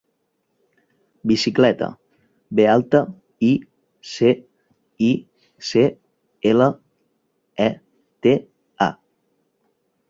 Bicicleta: be alta, i, ce, i, ce, ela, e, te, a.